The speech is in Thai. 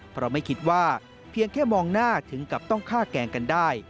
เพราะไม่คิดว่าเพียงแค่มองหน้าถึงกับต้องฆ่าแกล้งกันได้